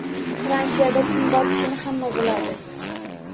Fransiyada kun botishini hamma biladi.